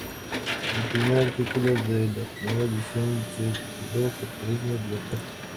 El primer artículo de la primera edición se tituló "Capitalismo y libertad".